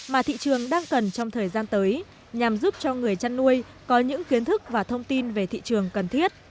mà thị trường đang cần trong thời gian tới nhằm giúp cho người chăn nuôi có những kiến thức và thông tin về thị trường cần thiết